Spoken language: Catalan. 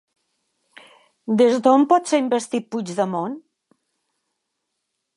Des d'on pot ser investit Puigdemont?